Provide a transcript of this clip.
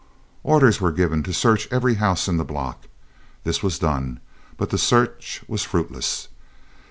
Orders were given to search every house in the block. This was done, but the search was fruitless.